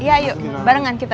iya yuk barengan kita